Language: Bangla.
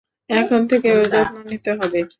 এখন থেকে ওর যত্ন নিতে হবে।